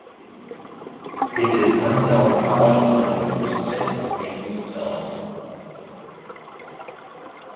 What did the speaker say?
It is unknown how much money was spent on making the film.